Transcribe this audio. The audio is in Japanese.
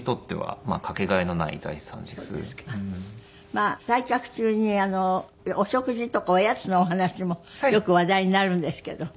まあ対局中にお食事とかおやつのお話もよく話題になるんですけど。